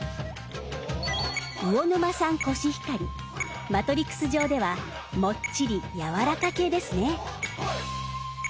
魚沼産コシヒカリマトリクス上ではもっちりやわらか系ですね。